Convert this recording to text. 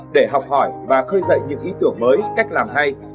để học hỏi và khơi dậy những ý tưởng mới cách làm hay